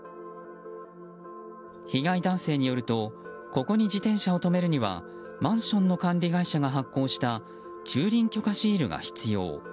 被害男性によるとここに自転車を止めるにはマンションの管理会社が発行した駐輪許可シールが必要。